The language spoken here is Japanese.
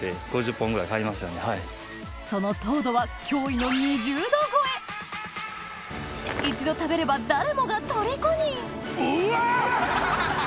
その糖度は驚異の２０度超え一度食べれば誰もがとりこにうわ！